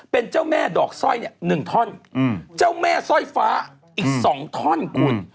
เป็นเจ้าแม่ดอกสร้อยเนี้ยหนึ่งท่อนอืมเจ้าแม่สร้อยฟ้าอีกสองท่อนกุ่น